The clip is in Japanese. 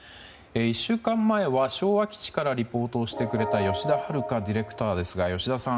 １週間前は昭和基地からリポートをしてくれた吉田遥ディレクターですが吉田さん